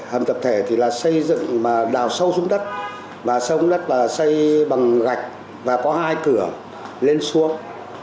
hầm tập thể thì là xây dựng mà đào sâu xuống đất và xây bằng gạch và có hai cửa lên xuống